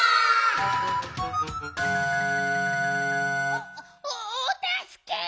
おおたすけ。